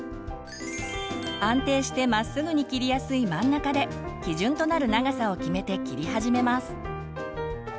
安定してまっすぐに切りやすい真ん中で基準となる長さを決めて切り始めます。